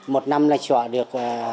một năm là chọa được